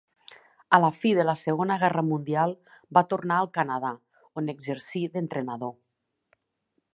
A la fi de la Segona Guerra Mundial va tornar al Canadà, on exercí d'entrenador.